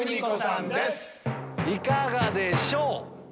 いかがでしょう？